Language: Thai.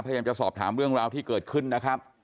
พยายามจะสอบถามเรื่องราวที่เกิดขึ้นนะครับ